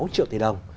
một sáu triệu tỷ đồng